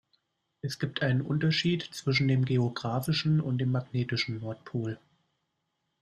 Es gibt einen Unterschied zwischen dem geografischen und dem magnetischen Nordpol.